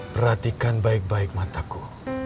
perhatikan baik baik mataku